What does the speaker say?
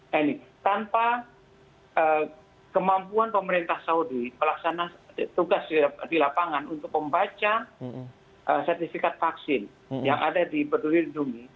nah ini tanpa kemampuan pemerintah saudi melaksanakan tugas di lapangan untuk membaca sertifikat vaksin yang ada di peduli lindungi